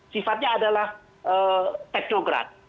sifatnya adalah teknograat